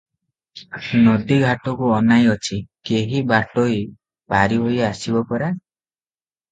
ନଦୀଘାଟକୁ ଅନାଇ ଅଛି; କେହି ବାଟୋଇ ପାରିହୋଇ ଆସିବ ପରା!